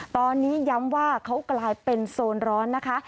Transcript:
ตอนนี้ย้ำว่าเขากลายเป็นโซนร้อนนะคะ